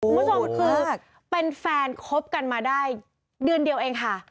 คุณผู้ชมคือเป็นแฟนคบกันมาได้เดือนเดียวเองค่ะ